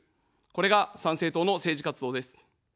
これが参政党の政治活動です。